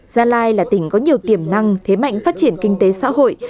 gia lai là tỉnh có nhiều tiềm năng thế mạnh phát triển kinh tế xã hội